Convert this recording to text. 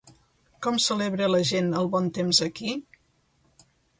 Com celebra la gent el bon temps aquí?